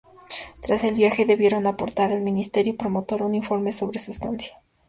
Tras el viaje debieron aportar al ministerio promotor un informe sobre su estancia.